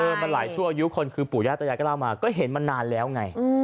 เออมันหลายชั่วยุคคลคือปู่ย่าตะยะก็เล่ามาก็เห็นมันนานแล้วไง